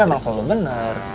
saya memang solo bener